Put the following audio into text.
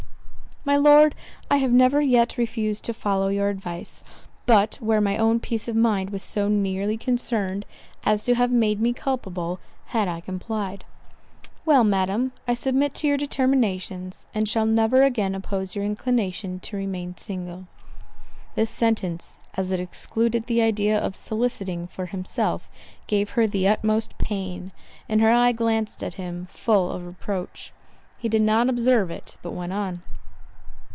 "My Lord, I have never yet refused to follow your advice, but where my own peace of mind was so nearly concerned, as to have made me culpable, had I complied." "Well, Madam, I submit to your determinations; and shall never again oppose your inclination to remain single." This sentence, as it excluded the idea of soliciting for himself, gave her the utmost pain; and her eye glanced at him, full of reproach. He did not observe it, but went on.